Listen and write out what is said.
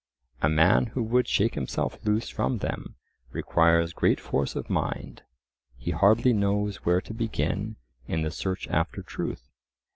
A man who would shake himself loose from them, requires great force of mind; he hardly knows where to begin in the search after truth.